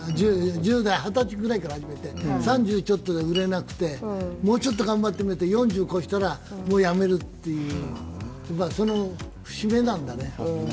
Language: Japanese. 二十歳ぐらいで始めて３０ちょっとで売れなくてもうちょっと頑張ってみて、４０越したら辞めるっていう、その節目なんだね。